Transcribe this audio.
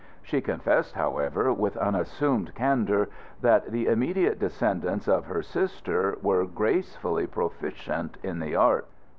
She confessed, however, with unassumed candour, that the immediate descendants of her sister were gracefully proficient in the art.